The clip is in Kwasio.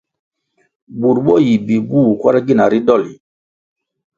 Bur bo yi bibuh kwarʼ gina ri dolʼ.